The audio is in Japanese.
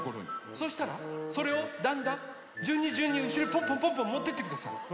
そうしたらそれをだんだんじゅんにじゅんにうしろへポンポンポンポンもってってください。